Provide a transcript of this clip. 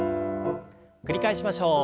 繰り返しましょう。